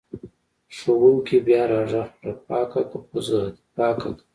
ښوونکي بیا راغږ کړ: پاکه که پوزه دې پاکه که!